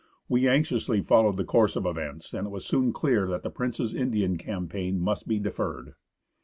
We anxiously followed the course of events, and it was soon clear that the Prince's Indian champaign must be deferred.